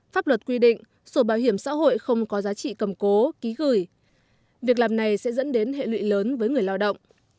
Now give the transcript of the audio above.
pháp luật quy định sổ bảo hiểm xã hội không có giá trị cầm cố ký gửi việc làm này sẽ dẫn đến hệ lụy lớn với người lao động